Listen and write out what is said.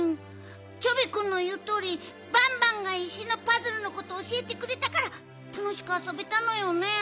チョビくんのいうとおりバンバンが石のパズルのことをおしえてくれたからたのしくあそべたのよね。